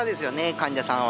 患者さんは。